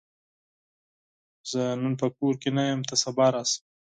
زه نن په کور کې نه یم، ته سبا راشه!